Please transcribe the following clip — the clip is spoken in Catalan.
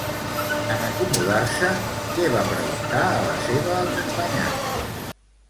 En acomodar-se, què va preguntar a la seva acompanyant?